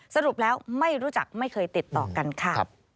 สรุปแล้วไม่รู้จักไม่เคยติดต่อกันค่ะ